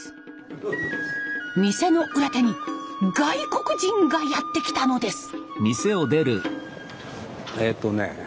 店の裏手に外国人がやって来たのです。